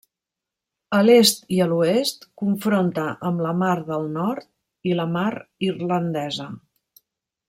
A l'est i a l'oest confronta amb la mar del nord i la mar irlandesa.